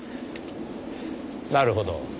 なるほど。